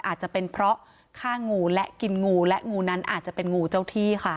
อาจจะเป็นเพราะฆ่างูและกินงูและงูนั้นอาจจะเป็นงูเจ้าที่ค่ะ